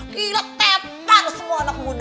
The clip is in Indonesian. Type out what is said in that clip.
gila tebal semua anak muda